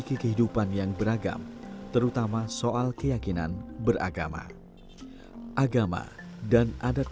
bisa diinkor r climbing dan amid panggilan di atas lima ratus meter